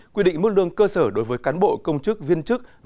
quy định mức lương cơ sở đối với cán bộ công chức viên chức